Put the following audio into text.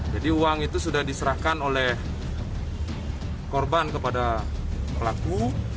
jadi uang itu sudah diserahkan oleh korban kepada pelaku